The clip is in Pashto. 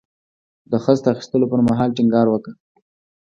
د خصت اخیستلو پر مهال ټینګار وکړ.